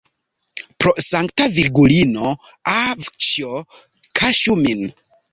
Pro Sankta Virgulino, avĉjo, kaŝu min!